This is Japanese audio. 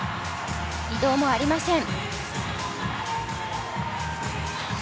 移動もありません。